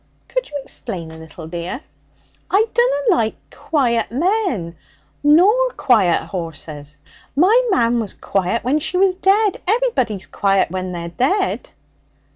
'Could you explain a little, dear?' 'I dunna like quiet men nor quiet horses. My mam was quiet when she was dead. Everybody's quiet when they're dead.'